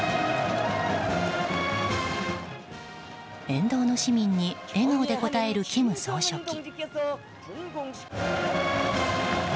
沿道の市民に笑顔で応える金総書記。